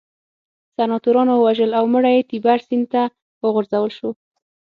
سناتورانو ووژل او مړی یې تیبر سیند ته وغورځول شو